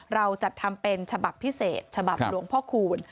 เราจัดทำเป็นฉบับพิเศษฉบับหลวงพ่อคูณ